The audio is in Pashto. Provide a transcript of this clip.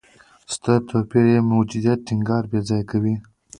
ستر توپیر موجودیت ټینګار بېځایه دی.